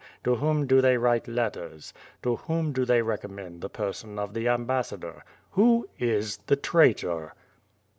To whom do they write letters? To whom do they recommend the person of the ambassador? Who is the traitor?"